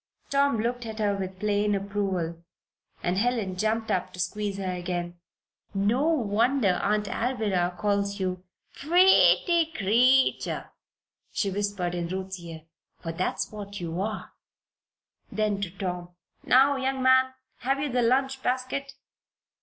Tom looked at her with plain approval, and Helen jumped up to squeeze her again. "No wonder Aunt Alvirah calls you 'pretty creetur'," she whispered in Ruth's ear. "For that's what you are." Then to Tom: "Now young man, have you the lunch basket?"